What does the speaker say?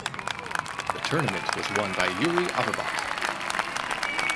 The tournament was won by Yuri Averbakh.